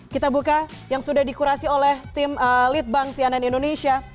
kita buka yang sudah dikurasi oleh tim lead bank sianan indonesia